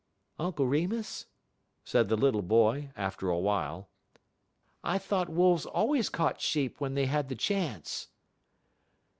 "Uncle Remus," said the little boy after a while, "I thought wolves always caught sheep when they had the chance."